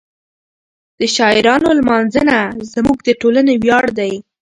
د شاعرانو لمانځنه زموږ د ټولنې ویاړ دی.